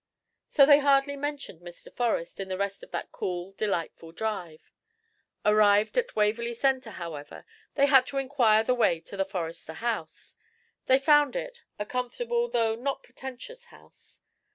So they hardly mentioned Mr. Forrester on the rest of that cool, delightful drive. Arrived at Waverly Center, however, they had to inquire the way to the Forrester house. They found it, a comfortable though not pretentious house.